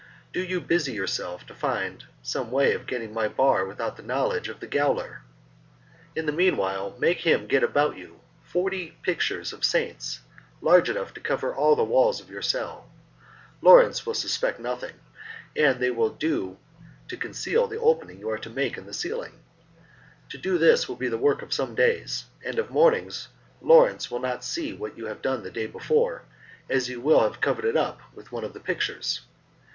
Do you busy yourself to find out some way of getting my bar without the knowledge of the gaoler. In the meanwhile, make him get you about forty pictures of saints, large enough to cover all the walls of your cell. Lawrence will suspect nothing, and they will do to conceal the opening you are to make in the ceiling. To do this will be the work of some days, and of mornings Lawrence will not see what you have done the day before, as you will have covered it up with one of the pictures.